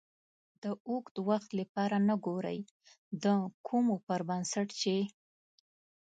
د اوږد وخت لپاره نه ګورئ د کومو پر بنسټ چې